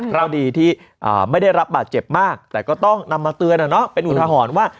เพราะดีที่ไม่ได้รับบาดเจ็บมากแต่ก็ต้องนำมาเตือนเป็นอุทหรณ์ว่า